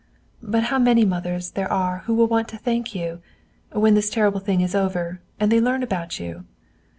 "But how many others there are who will want to thank you, when this terrible thing is over and they learn about you!"